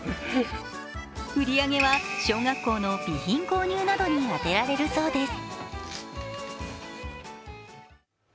売り上げは小学校の備品購入などに充てられるそうです。